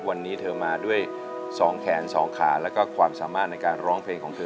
วันนี้เธอมาด้วย๒แขน๒ขาแล้วก็ความสามารถในการร้องเพลงของเธอ